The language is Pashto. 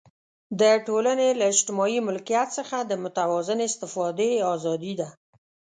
د ټولنې له اجتماعي ملکیت څخه د متوازنې استفادې آزادي ده.